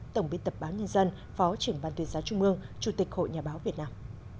tổng biên tập báo nhân dân phó trưởng ban tuyên giáo trung mương chủ tịch hội nhà báo việt nam